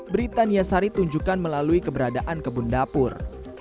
britania sari tunjukkan melalui keberadaan kebun dapur